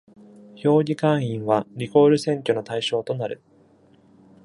評議会員は、リコール選挙の対象となる。